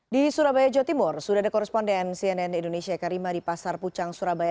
di surabaya jawa timur sudah ada koresponden cnn indonesia eka rima di pasar pucang surabaya